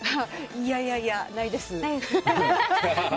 いやいや、ないです。